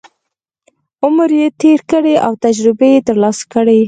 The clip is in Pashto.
عمر یې تېر کړی او تجربې یې ترلاسه کړي.